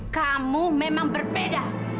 kamu memang berbeda